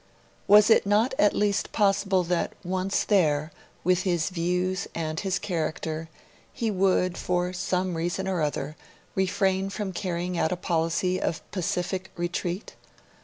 Was it not at least possible that, once there, with his views and his character, he would, for some reason or other, refrain from carrying out a policy of pacific retreat?